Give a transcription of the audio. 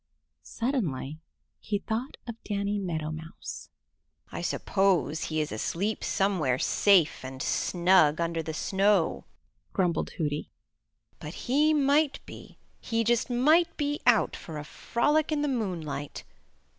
Suddenly he thought of Danny Meadow Mouse. "I suppose he is asleep somewhere safe and snug under the snow," grumbled Hooty, "but he might be, he just might be out for a frolic in the moonlight.